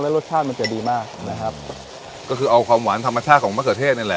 รสชาติมันจะดีมากนะครับก็คือเอาความหวานธรรมชาติของมะเขือเทศนี่แหละ